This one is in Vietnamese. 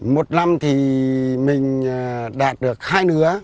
một năm thì mình đạt được hai lứa